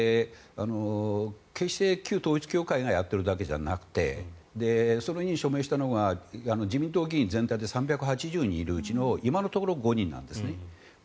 決して旧統一教会がやっているだけではなくてそれに署名したのが自民党議員の全体のうち３８０人いるうちの今のところ５人なんですね。